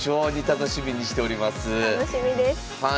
楽しみです。